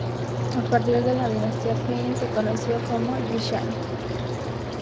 A partir de la dinastía Qin se las conoció como "Yi Shan".